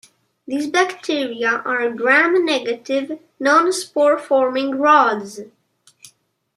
These bacteria are Gram-negative, nonspore-forming rods.